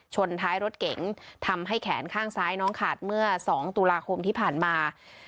ท้ายรถเก๋งทำให้แขนข้างซ้ายน้องขาดเมื่อ๒ตุลาคมที่ผ่านมา